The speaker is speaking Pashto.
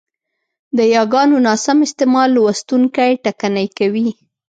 د یاګانو ناسم استعمال لوستوونکی ټکنی کوي،